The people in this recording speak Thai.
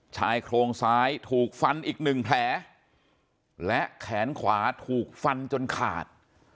ชายโครงซ้ายถูกฟันอีกหนึ่งแผลและแขนขวาถูกฟันจนขาด